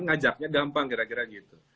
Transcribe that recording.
ngajaknya gampang kira kira gitu